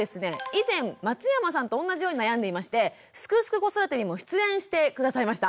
以前松山さんとおんなじように悩んでいまして「すくすく子育て」にも出演して下さいました。